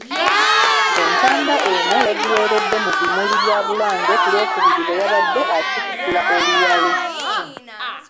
Entanda eno yagiweeredde mu bimuli bya Bulange ku lwokubiri bwe yabadde atikkula Oluwalo.